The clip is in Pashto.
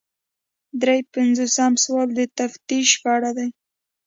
درې پنځوسم سوال د تفتیش په اړه دی.